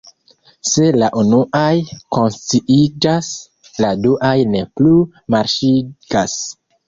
Se la unuaj konsciiĝas, la duaj ne plu marŝigas.